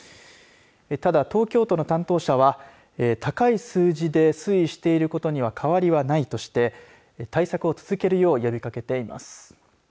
ただ、東京都の担当者は高い数字で推移していることには変わりはないとして対策を続けるよう呼びかけています。